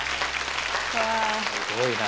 すごいな。